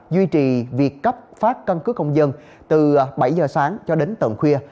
duy trì việc cấp phát căn cứ công dân từ bảy giờ sáng cho đến tận khuya